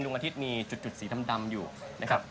อาทิตย์มีจุดสีดำอยู่นะครับ